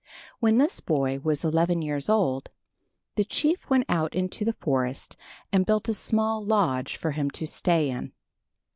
When this boy was eleven years old, the chief went out into the forest and built a small lodge for him to stay in.